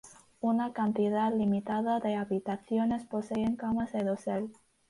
Una cantidad limitada de habitaciones poseen camas de dosel.